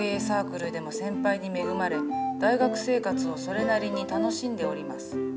サークルでも先輩に恵まれ大学生活をそれなりに楽しんでおります。